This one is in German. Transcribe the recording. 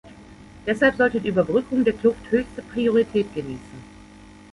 Deshalb sollte die Überbrückung der Kluft höchste Priorität genießen.